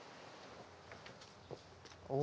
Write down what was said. お。